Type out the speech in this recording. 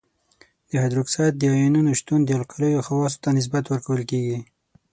د هایدروکساید د آیونونو شتون د القلیو خواصو ته نسبت ورکول کیږي.